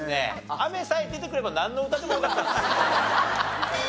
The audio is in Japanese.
「雨」さえ出てくればなんの歌でもよかったんです。